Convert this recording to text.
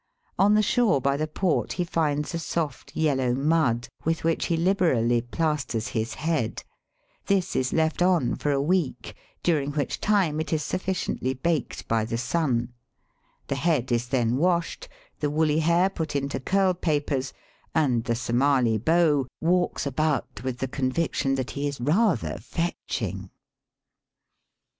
On the shore by the port he finds a soft yellow mud, with which he liberally plasters his head. Digitized by VjOOQIC A BRITISH OUTPOST. 343 This is left on for a week, during whidi time it is sufficiently baked by the sun. The head is then washed, the woolly hair put into curl papers, and the SomaU beau walks about with the conviction that he is rather fetching.